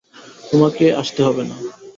তোমাকে আসতে হবে না।